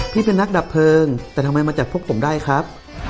พี่เป็นนักดับเพลิงแต่ทำไมมาจับพวกผมได้ครับ